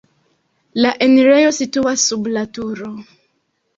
La enirejo situas sub la turo.